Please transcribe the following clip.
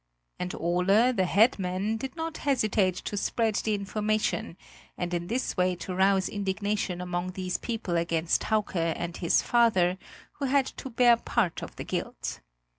And Ole, the head man, did not hesitate to spread the information and in this way to rouse indignation among these people against Hauke and his father, who had to bear part of the guilt.